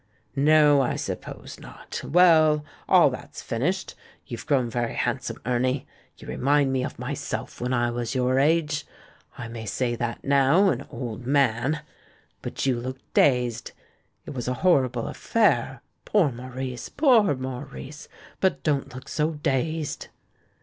"No, I suppose not. Well, all that's finished. You've grown very handsome, Ernie; you re mind me of myself when I was your age. I may say that now — an old man? ... But you look dazed. It was a horrible affair; poor Maurice! poor INIaurice! But don't look so dazed."